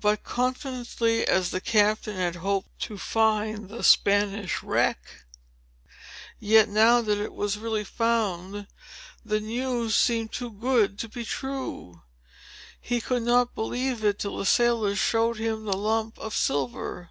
But, confidently as the Captain had hoped to find the Spanish wreck, yet now that it was really found, the news seemed too good to be true. He could not believe it till the sailors showed him the lump of silver.